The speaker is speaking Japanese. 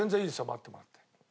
待ってもらって。